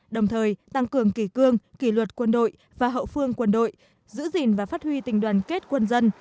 đồng thời tăng cường kỷ cương kỷ luật quân đội và hậu phương quân đội giữ gìn và phát huy tình đoàn kết quân dân